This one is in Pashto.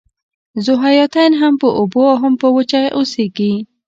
ذوحیاتین هم په اوبو او هم په وچه اوسیږي